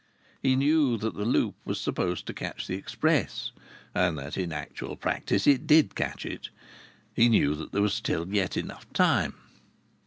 He knew that the Loop was supposed to catch the express, and that in actual practice it did catch it. He knew that there was yet enough time.